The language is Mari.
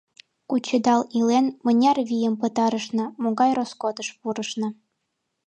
— Кучедал илен, мыняр вийым пытарышна, могай роскотыш пурышна.